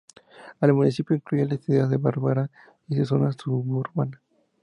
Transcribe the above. El municipio incluye la ciudad de Vergara y su zona suburbana.